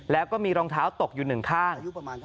แล้วก็มีรองเท้าตกอยู่หนึ่งข้าง